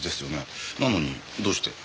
なのにどうして。